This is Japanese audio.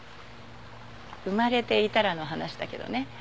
生まれていたらの話だけどね。